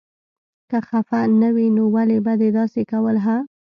که خفه نه وې نو ولې به دې داسې کول هه.